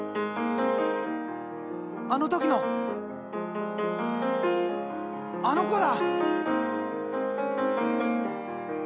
あの時のあの子だ！